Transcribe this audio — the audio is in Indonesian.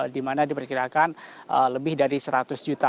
di mana diperkirakan lebih dari seratus juta